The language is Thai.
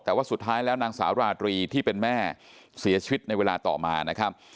แต่ว่าสุดท้ายแล้วนางสาวราตรีที่เป็นแม่เสียชีวิตในเวลาต่อมานะครับ